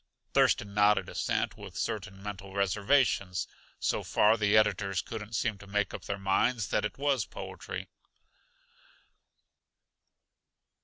Thurston nodded assent with certain mental reservations; so far the editors couldn't seem to make up their minds that it was poetry.